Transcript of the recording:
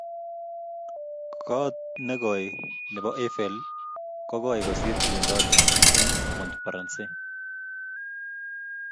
kot ne koi ne bo Eiffel ko koi kosir iwendote eng Montparnasse